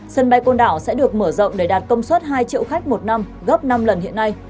sân bay côn đảo sẽ được mở rộng để đạt công suất hai triệu khách một năm gấp năm lần hiện nay